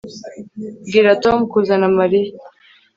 Bwira Tom kuzana Mariya